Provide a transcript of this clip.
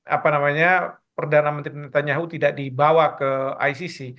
apa namanya perdana menteri pemerintah nyahu tidak dibawa ke icc